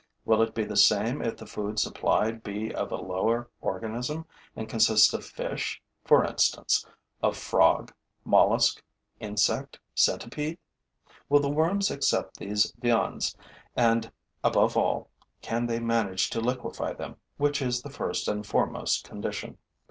Will it be the same if the food supplied be of a lower organism and consist of fish, for instance, of frog, mollusk, insect, centipede? Will the worms accept these viands and, above all, can they manage to liquefy them, which is the first and foremost condition?